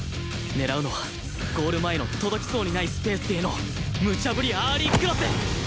狙うのはゴール前の届きそうにないスペースへのむちゃぶりアーリークロス！